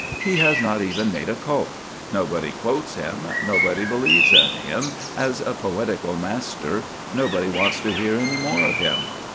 He has not even made a cult; nobody quotes him, nobody believes in him as a poetical master, nobody wants to hear any more of him.